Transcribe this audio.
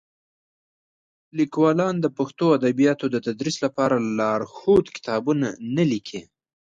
لیکوالان د پښتو ادبیاتو د تدریس لپاره لارښود کتابونه نه لیکي.